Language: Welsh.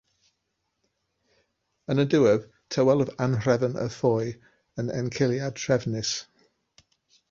Yn y diwedd, tawelodd anhrefn y ffoi yn enciliad trefnus.